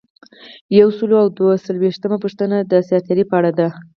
یو سل او دوه څلویښتمه پوښتنه د دساتیر په اړه ده.